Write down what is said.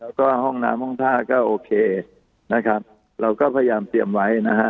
แล้วก็ห้องน้ำห้องท่าก็โอเคนะครับเราก็พยายามเตรียมไว้นะฮะ